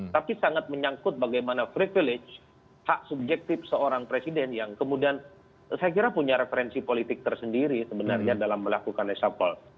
tapi sangat menyangkut bagaimana privilege hak subjektif seorang presiden yang kemudian saya kira punya referensi politik tersendiri sebenarnya dalam melakukan reshuffle